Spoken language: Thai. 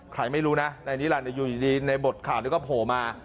ใครไม่รู้นะนายนิรันดิอยู่ดีในบทข่าวนี้ก็โผล่มา